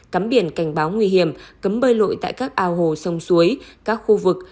cắm biển cảnh báo nguy hiểm cấm bơi lội tại các ao hồ sông suối các khu vực